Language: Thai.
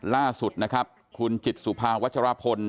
ล่าสุดนะครับคุณจิตสุภาวัชรพล